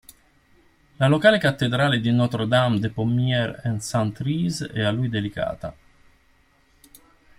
La locale cattedrale di Notre-Dame-des-Pommiers-et-Saint-Thyrse è a lui dedicata.